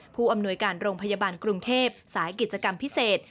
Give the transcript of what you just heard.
ผู้อำนวยการโรงพยาบาลกรุงเทพสายกิจกรรมพิเศษ